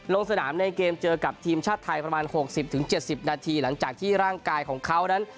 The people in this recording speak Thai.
ลงสนามในเกมเจอกับทีมชาติไทยประมาณ๖๐๗๐นาทีหลังจากที่ร่างกายของเขานั้น